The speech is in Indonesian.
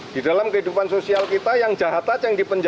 di dalam kehidupan sosial kita yang jahat aja yang dipenjara